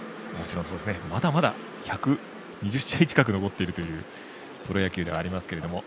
まだまだ１２０試合近く残っているというプロ野球ではありますけども。